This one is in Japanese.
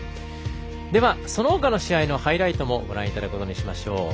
では、そのほかの試合のハイライトもご覧いただくことにしましょう。